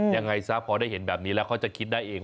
ยังไงซะพอได้เห็นแบบนี้แล้วเขาจะคิดได้เอง